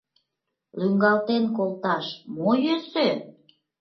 Лӱҥгалтен колташ мо йӧсӧ?